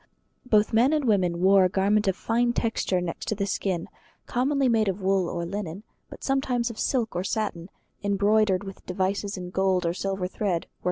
Both men and women wore a garment of fine texture next the skin, commonly made of wool or linen, but sometimes of silk or satin, embroidered with devices in gold or silver thread worked with the needle.